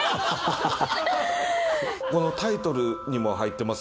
このタイトルにも入ってます